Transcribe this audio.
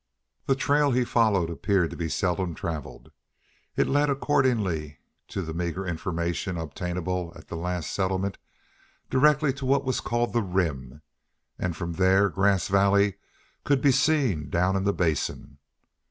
The trail he followed appeared to be seldom traveled. It led, according to the meager information obtainable at the last settlement, directly to what was called the Rim, and from there Grass Valley could be seen down in the Basin.